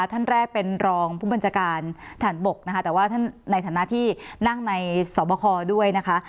ท่านแรกเป็นรองผู้บัญชาการฐานบกนะคะแต่ว่าท่านในฐานะที่นั่งในสอบคอด้วยนะคะ